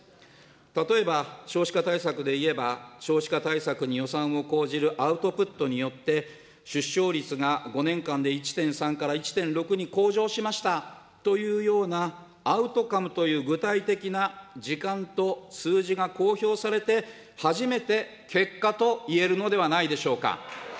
例えば、少子化対策でいえば少子化対策に予算を講じるアウトプットによって、出生率が５年間で１．３から１．６に向上しましたというような、アウトカムという具体的な時間と数字が公表されて、初めて結果といえるのではないでしょうか。